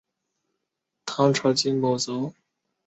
唐朝羁縻州。